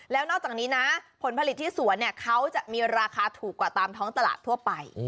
แล้วนอกจากนี้นะผลผลิตที่สวนเนี่ยเขาจะมีราคาถูกกว่าตามท้องตลาดทั่วไป